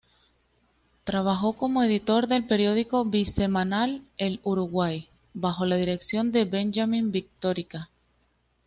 Trabajó como editor del periódico bisemanal "El Uruguay", bajo la dirección de Benjamín Victorica.